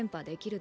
だ